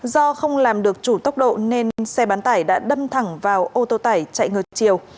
do không làm được chủ tốc độ nên xe bán tải đã đâm thẳng vào ô tô tải chạy ngược chiều